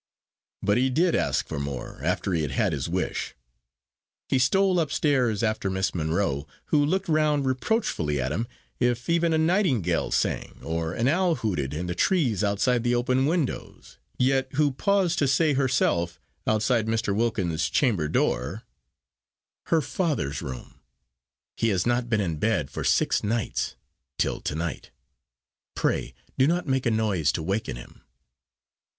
But he did ask for more after he had had his wish. He stole upstairs after Miss Monro, who looked round reproachfully at him if even a nightingale sang, or an owl hooted in the trees outside the open windows, yet who paused to say herself, outside Mr. Wilkins's chamber door, "Her father's room; he has not been in bed for six nights, till to night; pray do not make a noise to waken him."